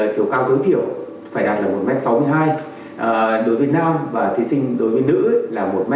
chiều cao đối thiểu phải đạt một m sáu mươi hai đối với nam và thí sinh đối với nữ là một m năm mươi sáu